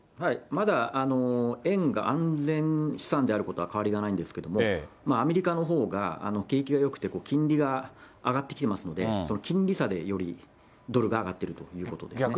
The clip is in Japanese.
まだ、円が安全資産であることは変わりがないんですけれども、アメリカのほうが景気がよくて、金利が上がってきてますので、その金利差で、よりドルが上がっているということですね。